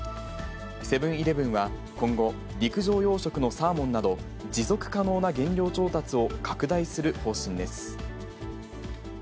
セブンイレブンは今後、陸上養殖のサーモンなど、持続可能な原料調達を拡大する方針です。